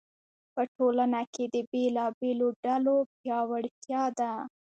په ټولنه کې د بېلابېلو ډلو پیاوړتیا ده.